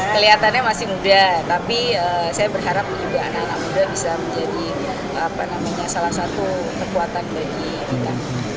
kelihatannya masih muda tapi saya berharap juga anak anak muda bisa menjadi salah satu kekuatan bagi kita